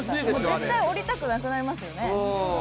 絶対降りたくなくなりますよね。